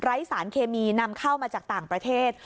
สารเคมีนำเข้ามาจากต่างประเทศ